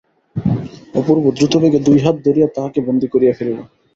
অপূর্ব দ্রুতবেগে দুই হাত ধরিয়া তাহাকে বন্দী করিয়া ফেলিল।